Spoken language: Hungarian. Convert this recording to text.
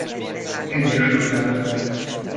Hegyes határ.